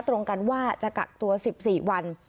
ตรงกันว่าจะกักตัว๑๔วัน